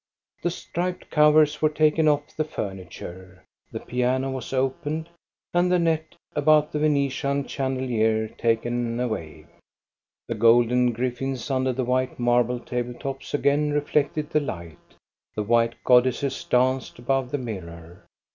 The striped covers were taken off the furniture, the piano was opened, and the net about the Venetian chandelier taken away. The golden griffins under the white marble table tops again reflected the light. The white goddesses danced above the mirror.